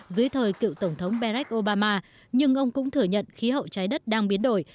dưới thời cựu tổng thống berrak obama nhưng ông cũng thừa nhận khí hậu trái đất đang biến đổi